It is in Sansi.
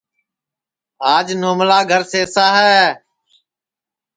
آج نوملا گھرا سئسا ہے